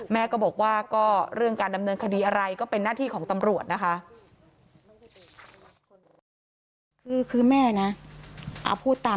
แม่ก็บอกว่าก็เรื่องการดำเนินคดีอะไรก็เป็นหน้าที่ของตำรวจนะคะ